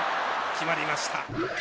決まりました。